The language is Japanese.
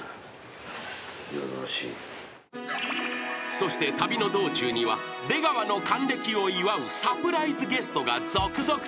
［そして旅の道中には出川の還暦を祝うサプライズゲストが続々登場］